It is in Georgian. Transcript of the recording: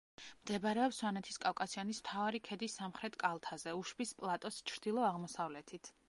მდებარეობს სვანეთის კავკასიონის მთავარი ქედის სამხრეთ კალთაზე, უშბის პლატოს ჩრდილო-აღმოსავლეთით.